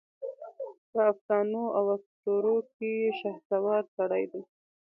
په افسانواواسطوروکې شهسوار سړی دی